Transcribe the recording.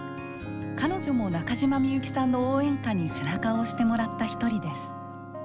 彼女も中島みゆきさんの応援歌に背中を押してもらった一人です。